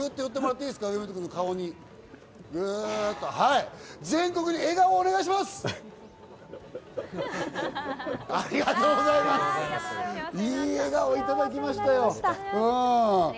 いい笑顔をいただきました。